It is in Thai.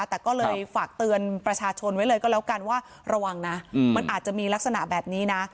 แต่ก็เลยฝากเตือนประชาชนไว้เลยก็แล้วกันว่าระวังนะมันอาจจะมีลักษณะแบบนี้นะ